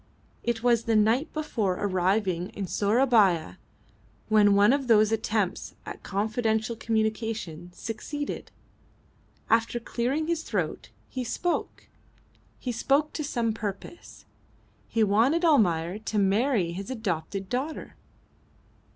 It was the night before arriving in Sourabaya when one of those attempts at confidential communication succeeded. After clearing his throat he spoke. He spoke to some purpose. He wanted Almayer to marry his adopted daughter.